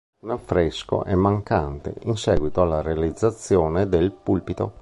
Un affresco è mancante in seguito alla realizzazione del pulpito.